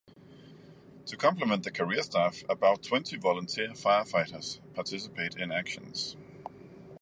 To complement the career staff, about twenty volunteer firefighters participate in actions.